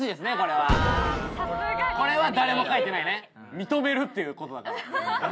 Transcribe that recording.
認めるっていう事だから。